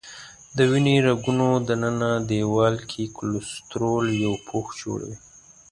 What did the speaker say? د وینې رګونو دننه دیوال کې کلسترول یو پوښ جوړوي.